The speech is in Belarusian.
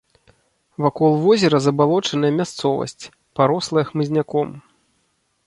Вакол возера забалочаная мясцовасць, парослая хмызняком.